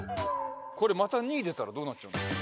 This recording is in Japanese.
これまた「２」出たらどうなっちゃうんだろう？